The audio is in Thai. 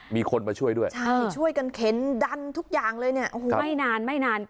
มีคนมาช่วยด้วยใช่ช่วยกันเข็นดันทุกอย่างเลยเนี่ยโอ้โหไม่นานไม่นาน